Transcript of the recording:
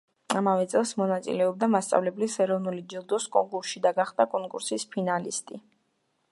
ამავე წელს მონაწილეობდა მასწავლებლის ეროვნული ჯილდოს კონკურსში და გახდა კონკურსის ფინალისტი.